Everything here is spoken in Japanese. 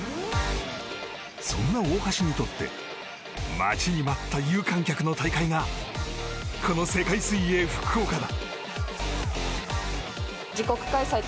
そんな大橋にとって待ちに待った有観客の大会がこの世界水泳福岡だ。